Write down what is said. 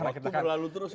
waktu berlalu terus